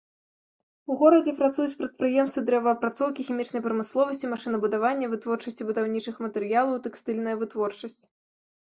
У горадзе працуюць прадпрыемствы дрэваапрацоўкі, хімічнай прамысловасці, машынабудавання, вытворчасці будаўнічых матэрыялаў, тэкстыльная вытворчасць.